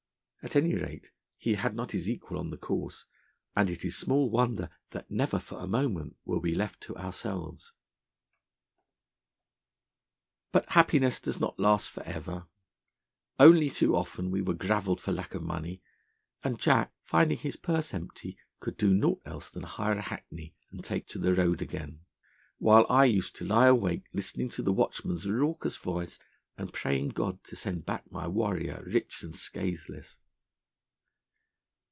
At any rate, he had not his equal on the course, and it is small wonder that never for a moment were we left to ourselves. 'But happiness does not last for ever; only too often we were gravelled for lack of money, and Jack, finding his purse empty, could do naught else than hire a hackney and take to the road again, while I used to lie awake listening to the watchman's raucous voice, and praying God to send back my warrior rich and scatheless.